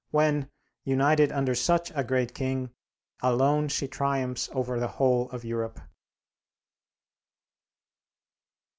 when, united under such a great King, alone she triumphs over the whole of Europe.